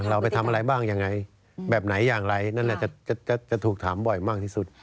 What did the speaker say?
เราไปทำอะไรบ้างยังไงแบบไหนอย่างไรนั่นแหละจะถูกถามบ่อยมากที่สุด